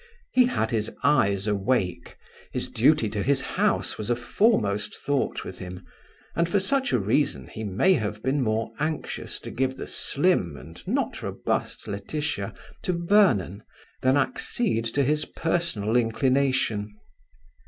He had his eyes awake. His duty to his House was a foremost thought with him, and for such a reason he may have been more anxious to give the slim and not robust Laetitia to Vernon than accede to his personal inclination.